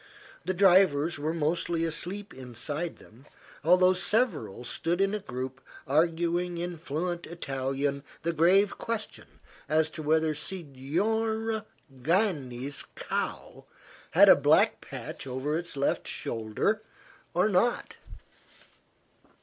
The drivers were mostly asleep inside them, although several stood in a group arguing in fluent Italian the grave question as to whether Signora Gani's cow had a black patch over its left shoulder, or not.